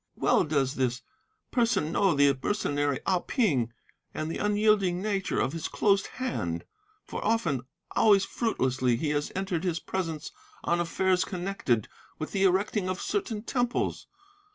Well does this person know the mercenary Ah Ping, and the unyielding nature of his closed hand; for often, but always fruitlessly, he has entered his presence on affairs connected with the erecting of certain temples.